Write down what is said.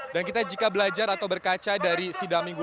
dan kita jika belajar atau berkaca dari sidang minggu